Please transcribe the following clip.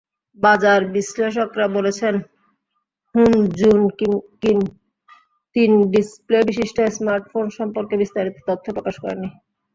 বাজার-বিশ্লেষকেরা বলছেন, Hun-jun Kim তিন ডিসপ্লেবিশিষ্ট smartphone সম্পর্কে বিস্তারিত তথ্য প্রকাশ করেননি।